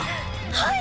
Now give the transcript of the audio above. はい！